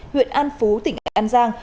huyện an phú tỉnh an giang